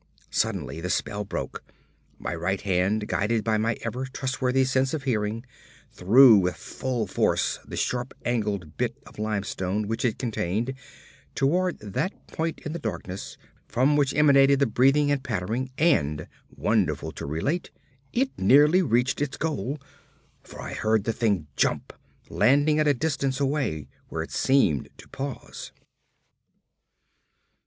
Suddenly the spell broke. My right hand, guided by my ever trustworthy sense of hearing, threw with full force the sharp angled bit of limestone which it contained, toward that point in the darkness from which emanated the breathing and pattering, and, wonderful to relate, it nearly reached its goal, for I heard the thing jump, landing at a distance away, where it seemed to pause.